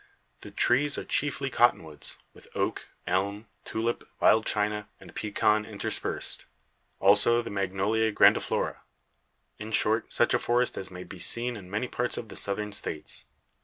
The trees are chiefly cottonwoods, with oak, elm, tulip, wild China, and pecan interspersed; also the magnolia grandiflora; in short, such a forest as may be seen in many parts of the Southern States.